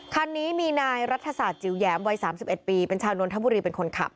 คันนี้มีนายรัฐศาสตจิ๋วแหลมวัย๓๑ปีเป็นชาวนนทบุรีเป็นคนขับ